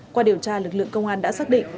qua điều tra lực lượng công an đã xác định